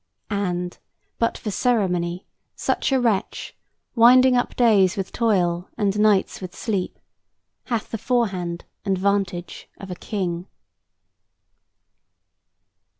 And, but for ceremony, such a wretch, Winding up days with toil and nights with sleep, Hath the forehand and vantage of a king."